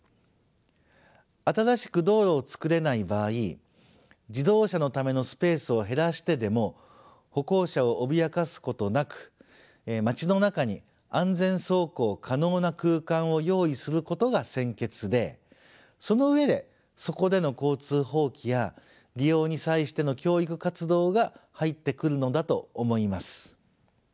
新しく道路をつくれない場合自動車のためのスペースを減らしてでも歩行者を脅かすことなく街の中に安全走行可能な空間を用意することが先決でその上でそこでの交通法規や利用に際しての教育活動が入ってくるのだと思います。